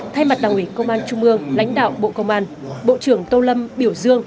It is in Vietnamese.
thay mặt đảng ủy công an trung ương lãnh đạo bộ công an bộ trưởng tô lâm biểu dương